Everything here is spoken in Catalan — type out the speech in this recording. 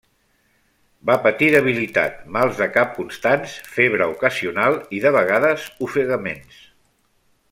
Va patir debilitat, mals de cap constants, febre ocasional i, de vegades, ofegaments.